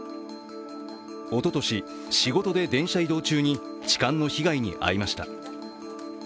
おととし、仕事で電車移動中に痴漢の被害に遭いました。